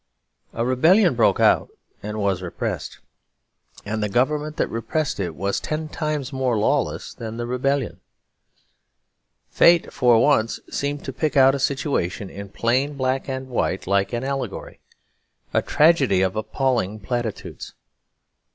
A rebellion broke out and was repressed; and the government that repressed it was ten times more lawless than the rebellion. Fate for once seemed to pick out a situation in plain black and white like an allegory; a tragedy of appalling platitudes.